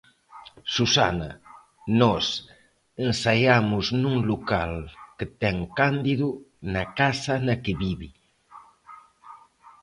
Susana: Nós ensaiamos nun local que ten Cándido na casa na que vive.